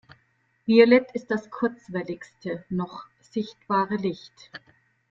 Violett ist das kurzwelligste noch sichtbare Licht.